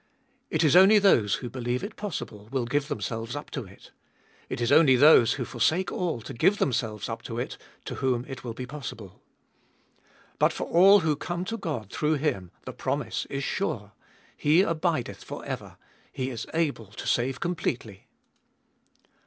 It is only those who believe it possible, will give themselves up to it. It is only those who forsake all to give themselves up to it to whom it will be possible. But for all who come to God through Him the promise is sure : He abideth for ever ; He is able to save completely.